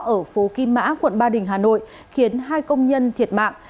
ở phố kim mã quận ba đình hà nội khiến hai công nhân thiệt mạng